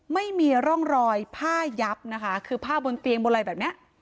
ไม่มีร่องรอยผ้ายับนะคะคือผ้าบนเตียงบนอะไรแบบเนี้ย